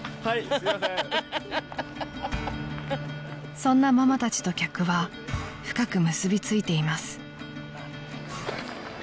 ［そんなママたちと客は深く結びついています］